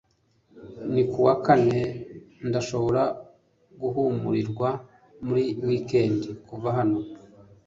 ni ku wa kane ndashobora guhumurirwa muri wikendi kuva hano